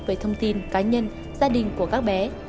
về thông tin cá nhân gia đình của các bé